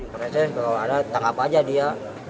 kalau ada ditangkap aja dia